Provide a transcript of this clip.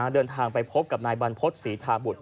เดินทางไปพบกับนายบรรพฤษศรีธาบุตร